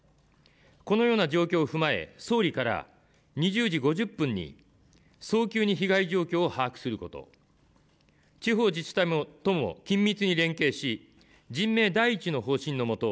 このような状況を踏まえ総理から２０時５０分に早急に被害状況を把握すること地方自治体とも緊密に連携し、人命第一の方針のもと